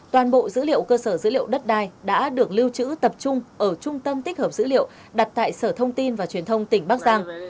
toàn bộ dữ liệu cơ sở dữ liệu đất đai đã được lưu trữ tập trung ở trung tâm tích hợp dữ liệu đặt tại sở thông tin và truyền thông tỉnh bắc giang